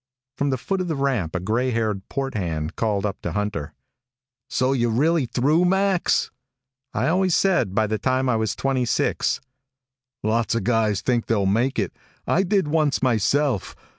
From the foot of the ramp a gray haired port hand called up to Hunter, "So you're really through, Max?" "I always said, by the time I was twenty six " "Lots of guys think they'll make it. I did once myself.